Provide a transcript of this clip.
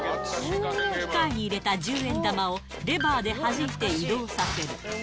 機械に入れた十円玉を、レバーではじいて移動させる。